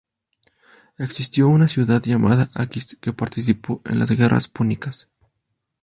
Existió una ciudad llamada Akis, que participó en las guerras púnicas.